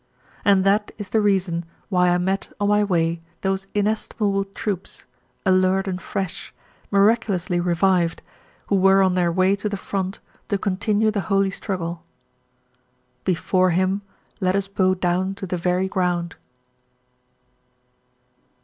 And that is the reason why I met on my way those inestimable troops, alert and fresh, miraculously revived, who were on their way to the front to continue the holy struggle. Before him let us bow down to the very ground.